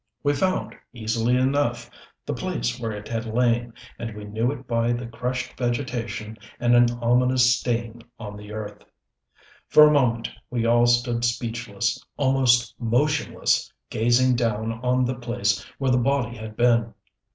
We found, easily enough, the place where it had lain, and we knew it by the crushed vegetation and an ominous stain on the earth. For a moment we all stood speechless, almost motionless, gazing down on the place where the body had been.